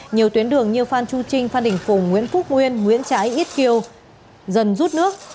nhiều tuyến đường như phan chu trinh phan đình phùng nguyễn phúc nguyên nguyễn trái ít kiều dần rút nước